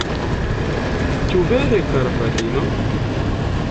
Ĉu vere, kara fratino?